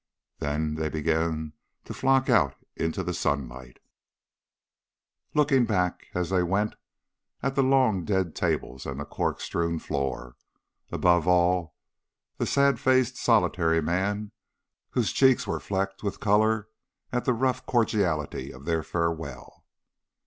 Then they began to flock out into the sunlight, looking back as they went at the long deal tables and the cork strewn floor above all at the sad faced, solitary man, whose cheeks were flecked with colour at the rough cordiality of their farewell.